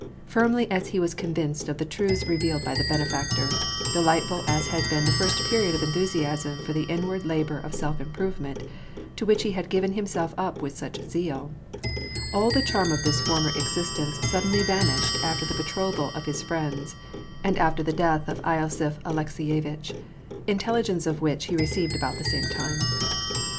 Firmly as he was convinced of the truths revealed by the Benefactor ; delightful as had been the first period of enthusiasm for the inward labor of self improvement, to which he had given himself up with such zeal; — all the charm of this former existence sud denly vanished after the betrothal of his friends, and after the death of losiph Alekseyevitch, intelligence of which he received about the same time.